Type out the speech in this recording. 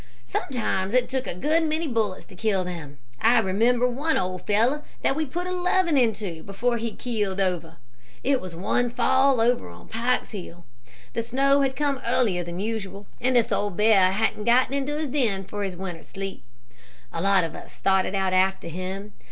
"Sometimes it took a good many bullets to kill them. I remember one old fellow that we put eleven into, before he keeled over. It was one fall, over on Pike's Hill. The snow had come earlier than usual, and this old bear hadn't got into his den for his winter's sleep. A lot of us started out after him.